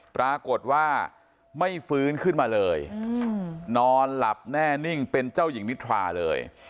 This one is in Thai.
ปรากฏว่าไม่ฟื้นขึ้นมาเลยนอนหลับแน่นิ่งเป็นเจ้าหญิงนิทราเลย